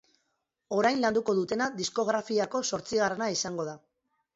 Orain landuko dutena diskografiako zortzigarrena izango da.